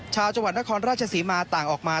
ชาวจังหวัดนครราชศรีมาต่างออกมา